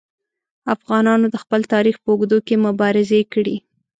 افغانانو د خپل تاریخ په اوږدو کې مبارزې کړي.